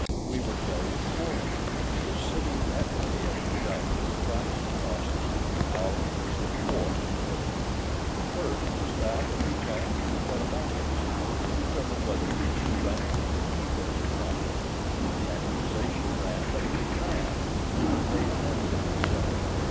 We were carried before him, and he was sitting that day as judge to try some causes; ours was the fourth in order. The first was that of Ajax Telamonius, {116b} to determine whether he was to rank with the heroes or not. The accusation ran that he was mad, and had made an end of himself.